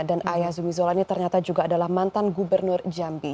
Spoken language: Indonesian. dan ayah zumizola ini ternyata juga adalah mantan gubernur jambi